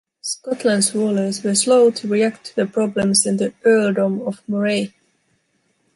Scotland's rulers were slow to react to the problems in the earldom of Moray.